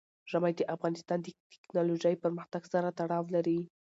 ژمی د افغانستان د تکنالوژۍ پرمختګ سره تړاو لري.